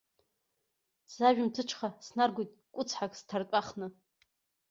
Сажәымҭыҽха снаргоит кәыцҳак сҭартәахны.